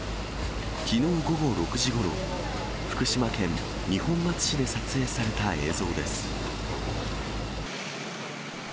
きのう午後６時ごろ、福島県二本松市で撮影された映像です。